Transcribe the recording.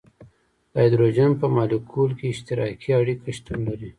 د هایدروجن په مالیکول کې اشتراکي اړیکه شتون لري.